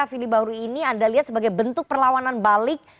firly bahuri ini anda lihat sebagai bentuk perlawanan balik